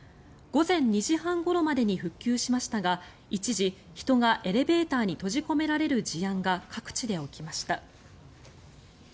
午前２時半ごろまでに復旧しましたが一時、人がエレベーターに閉じ込められる事案が各地で起きました。